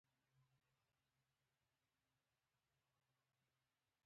د غزني په زنه خان کې د مسو نښې شته.